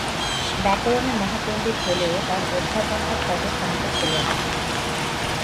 ব্যাকরণে মহাপণ্ডিত হলেও তাঁর অধ্যাপনার তত ক্ষমতা ছিল না।